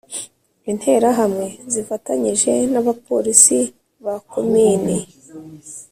Interahamwe zifatanyije n abapolisi ba Komini